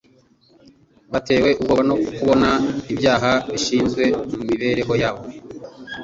Batewe ubwoba no kubona ibyaha bihishwe mu mibereho yabo